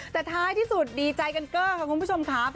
แต่ท้ายที่สุดดีใจกันเกลือคุณผู้ชมคะ